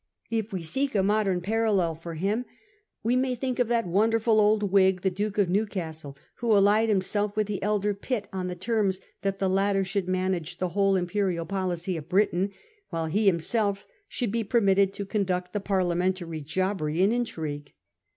If we must seek a inodern parallel for him, we may think of that wonderful old Whig, the Duke of Newcastle, who allied himself with the elder Pitt on the terms that the latter should manage the whole imperial policy of Britain, while he himself should be permitted to con duct the parliamentary jobbery and intrigue.